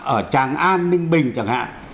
ở tràng an ninh bình chẳng hạn